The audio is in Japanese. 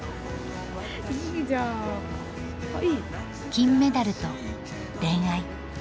金メダルと恋愛。